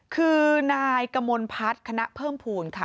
คือนายกมลพัฒน์คณะเพิ่มภูมิค่ะ